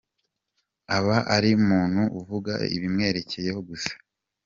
Aba ari umuntu uvuga ibimwerekeyeho gusa.